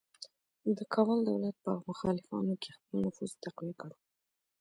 د کابل دولت په مخالفانو کې خپل نفوذ تقویه کړ.